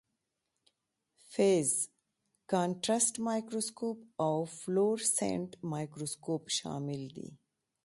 فیز کانټرسټ مایکروسکوپ او فلورسینټ مایکروسکوپ شامل دي.